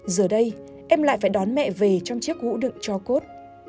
giờ đây em lại phải đón mẹ về trong chiếc hũ đựng cho cốt